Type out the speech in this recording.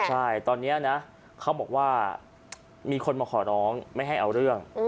ใช่ตอนนี้นะเขาบอกว่ามีคนมาขอร้องไม่ให้เอาเรื่อง